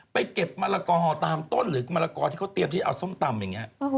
เก็บมะละกอตามต้นหรือมะละกอที่เขาเตรียมที่เอาส้มตำอย่างนี้